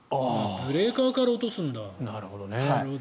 ブレーカーから落とすんだなるほど。